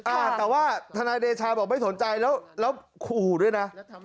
อ่าแต่ว่าทนายเดชาบอกไม่สนใจแล้วขู่ด้วยนะ